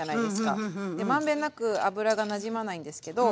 満遍なく油がなじまないんですけど。